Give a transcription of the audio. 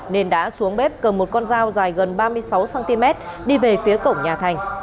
nên đã xuống bếp cầm một con dao dài gần ba mươi sáu cm đi về phía cổng nhà thành